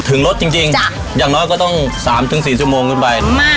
ถึงรถจริงจริงจ้ะอย่างน้อยก็ต้องสามถึงสี่ชั่วโมงด้วยไปมา